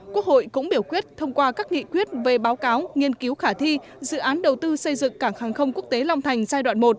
quốc hội cũng biểu quyết thông qua các nghị quyết về báo cáo nghiên cứu khả thi dự án đầu tư xây dựng cảng hàng không quốc tế long thành giai đoạn một